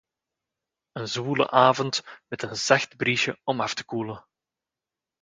Een zwoele avond met een zacht briesje om af te koelen.